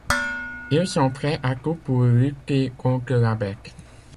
Ils sont prêts à tout pour lutter contre la bête.